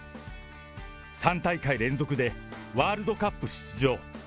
３大会連続でワールドカップ出場。